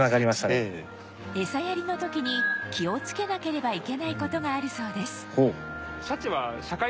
エサやりの時に気をつけなければいけない事があるそうです